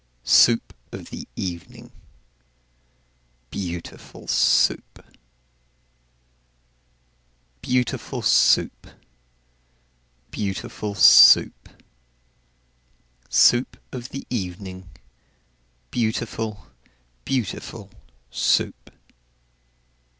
Soup of the evening, beautiful Soup! Beau ootiful Soo oop! Beau ootiful Soo oop! Soo oop of the e e evening, Beautiful, beautiful Soup!